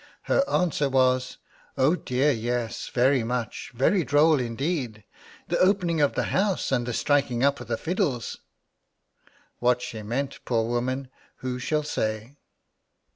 Her answer was, "Oh dear, yes, very much; very droll indeed; the opening of the house and the striking up of the fiddles!" What she meant, poor woman, who shall say?'